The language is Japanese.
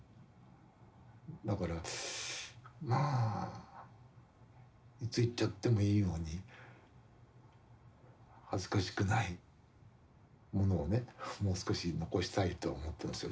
だからまあいつ逝っちゃってもいいように恥ずかしくないものをねもう少し残したいと思ってますよ。